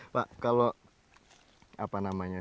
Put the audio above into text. pak kalau apa namanya